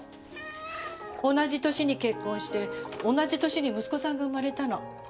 同じ年に結婚して同じ年に息子さんが生まれたの。